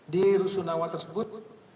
di rusunawa tersebut